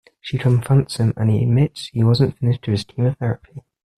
She confronts him and he admits he wasn't finished with his chemotherapy.